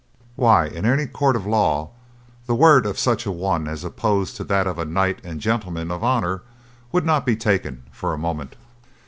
Why, in any court of law the word of such a one as opposed to that of a knight and gentleman of honour would not be taken for a moment."